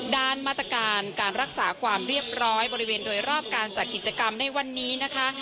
ด้านมาตรการการรักษาความเรียบร้อยบริเวณโดยรอบการจัดกิจกรรมในวันนี้นะคะ